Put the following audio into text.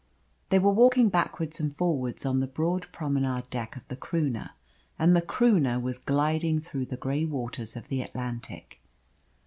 They were walking backwards and forwards on the broad promenade deck of the Croonah, and the Croonah was gliding through the grey waters of the Atlantic.